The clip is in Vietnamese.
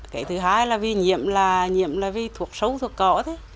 cái thứ hai là vì nhiệm là nhiệm là vì thuộc sâu thuộc cỏ thế